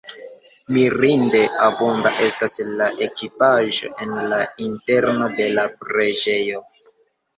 Mirinde abunda estas la ekipaĵo en la interno de la preĝejo.